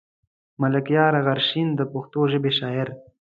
ملکيار غرشين د پښتو ژبې شاعر.